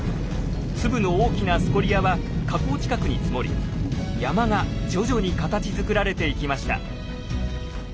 粒の大きなスコリアは火口近くに積もり山が徐々に形づくられていきました。